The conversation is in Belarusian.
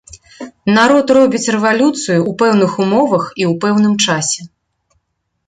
Народ робіць рэвалюцыю ў пэўных умовах і ў пэўным часе.